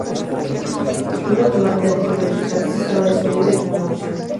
Una automática de tres velocidades estaba disponible como una opción.